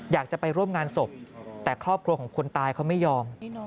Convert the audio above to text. อยากจะไปร่วมงานศพแต่ครอบครัวของคนตายเขาไม่ยอม